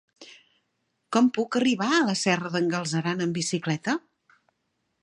Com puc arribar a la Serra d'en Galceran amb bicicleta?